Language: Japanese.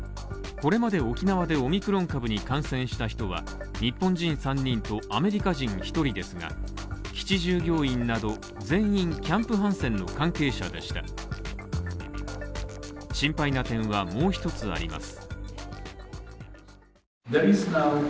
これまで沖縄でオミクロン株に感染した人は日本人３人とアメリカ人１人ですが、基地従業員など全員キャンプ・ハンセンの関係者でした心配な点はもう一つあります。